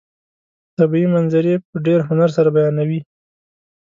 طبیعي منظرې په ډېر هنر سره بیانوي.